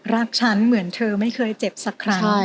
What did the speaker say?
รักฉันเหมือนเธอไม่เคยเจ็บสักครั้ง